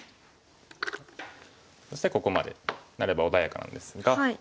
そしてここまでなれば穏やかなんですが。